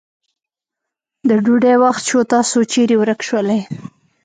د ډوډی وخت سو تاسو چیري ورک سولې.